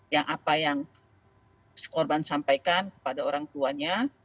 yang apa yang korban sampaikan kepada orang tuanya